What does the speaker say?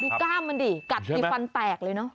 กล้ามมันดิกัดมีฟันแตกเลยเนอะ